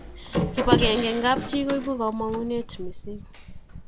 kip akenge eng kap chii kobo kamangut mising